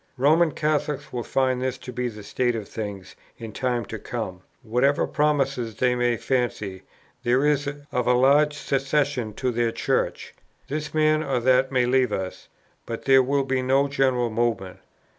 "Roman Catholics will find this to be the state of things in time to come, whatever promise they may fancy there is of a large secession to their Church. This man or that may leave us, but there will be no general movement.